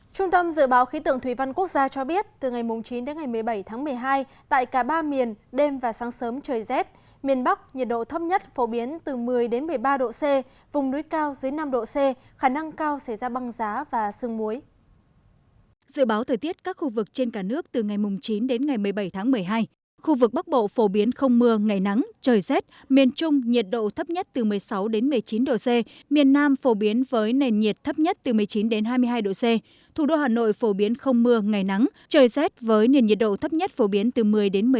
trung tâm dự báo khí tượng thủy văn quốc gia cho biết từ ngày chín đến ngày một mươi bảy tháng một mươi hai tại cả ba miền đêm và sáng sớm trời rét miền bắc nhiệt độ thấp nhất phổ biến từ một mươi đến một mươi ba độ c vùng núi cao dưới năm độ c khả năng cao xảy ra băng giá và sương muối